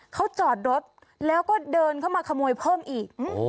เขาจอดรถแล้วก็เดินเข้ามาขโมยเพิ่มอีก